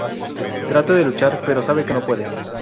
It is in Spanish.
Trata de luchar, pero sabe que no puede.